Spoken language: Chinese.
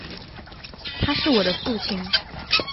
他是我父亲